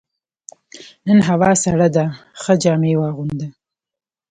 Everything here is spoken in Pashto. نن هوا سړه ده، ښه جامې واغونده.